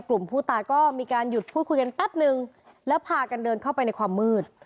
กลุ่มผู้ตายก็มีการหยุดพูดคุยกันแป๊บนึงแล้วพากันเดินเข้าไปในความมืด